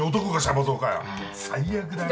最悪だな。